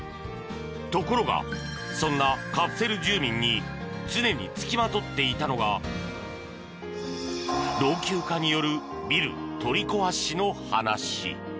ところが、そんなカプセル住人に常に付きまとっていたのが老朽化によるビル取り壊しの話。